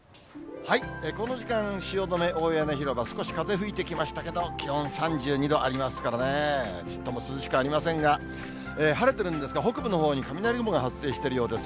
この時間、汐留・大屋根広場、少し風吹いてきましたけど、気温３２度ありますからね、ちっとも涼しくありませんが、晴れてるんですが、北部のほうに雷雲が発生しているようです。